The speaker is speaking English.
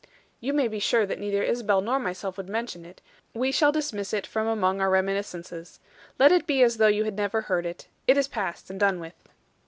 "You may be sure that neither Isabel nor myself would mention it; we shall dismiss it from among our reminiscences. Let it be as though you had never heard it; it is past and done with."